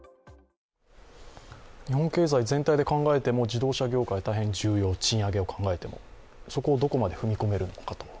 日本経済全体で考えても自動車業界大変重要、賃上げを考えても、そこをどこまで踏み込めるのかと。